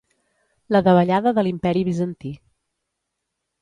La davallada de l'imperi Bizantí.